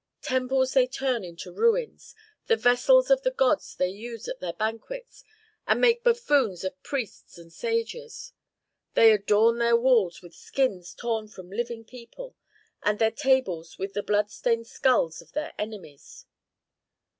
Temples they turn into ruins, the vessels of the gods they use at their banquets, and make buffoons of priests and sages. They adorn their walls with skins torn from living people, and their tables with the blood stained skulls of their enemies."